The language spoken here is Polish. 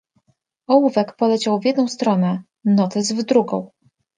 "Ołówek poleciał w jedną stronę, notes w drugą."